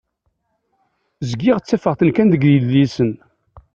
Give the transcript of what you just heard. Zgiɣ ttafeɣ-ten kan deg yidlisen.